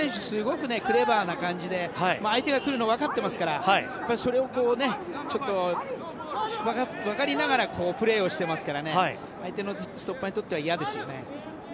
すごくクレバーな感じで相手が来るのが分かってますからそれを、ちょっと分かりながらプレーをしていますから相手のストッパーにとっては嫌ですよね。